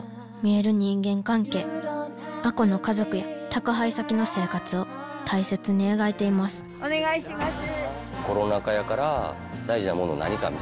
亜子の家族や宅配先の生活を大切に描いていますお願いします。